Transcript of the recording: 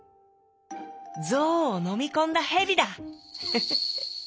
「ゾウをのみこんだヘビだ！フフフッ」。